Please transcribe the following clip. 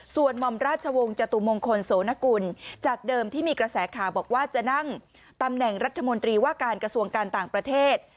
ส่วนหม่อมราชวงศ์จตุมงคลโสนกุลจากเดิมที่มีกระแสข่าวบอกว่าจะนั่งตำแหน่งรัฐมนตรีว่าการกระทรวงการต่างประเทศ